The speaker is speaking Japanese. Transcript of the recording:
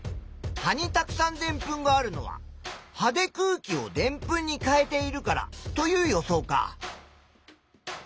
葉にたくさんでんぷんがあるのは葉で空気をでんぷんに変えているからという予想か。